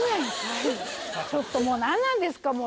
ちょっともう何なんですか。